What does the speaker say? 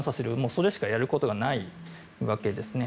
それしかやることがないわけですね。